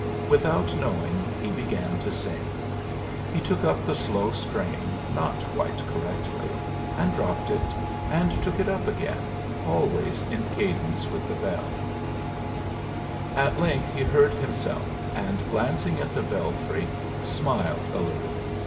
Without knowing, he began to sing. He took up the slow strain not quite correctly, and dropped it, and took it up again, always in cadence with the bell: [Musical Score Appears Here] At length he heard himself, and glancing at the belfry, smiled a little.